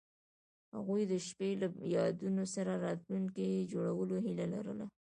هغوی د شپه له یادونو سره راتلونکی جوړولو هیله لرله.